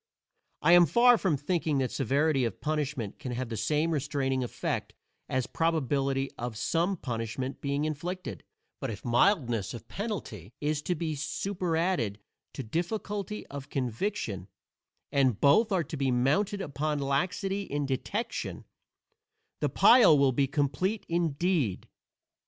I am far from thinking that severity of punishment can have the same restraining effect as probability of some punishment being inflicted; but if mildness of penalty is to be superadded to difficulty of conviction, and both are to be mounted upon laxity in detection, the pile will be complete indeed.